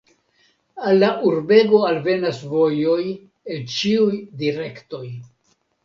Al la urbego alvenas vojoj el ĉiuj direktoj.